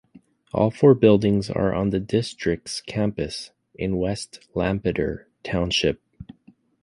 All four buildings are on the district's campus in West Lampeter Township.